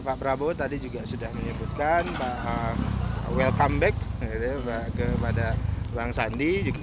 pak prabowo tadi juga sudah menyebutkan welcome back kepada bang sandi